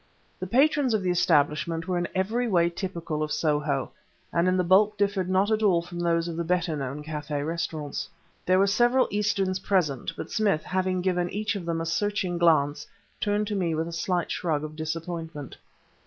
The patrons of the establishment were in every way typical of Soho, and in the bulk differed not at all from those of the better known café restaurants. There were several Easterns present; but Smith, having given each of them a searching glance, turned to me with a slight shrug of disappointment.